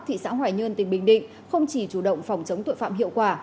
thị xã hoài nhơn tỉnh bình định không chỉ chủ động phòng chống tội phạm hiệu quả